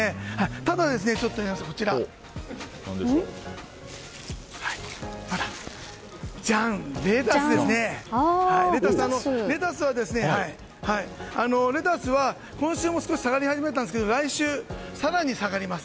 ただ、レタスは今週も少し下がり始めましたが来週、更に下がります。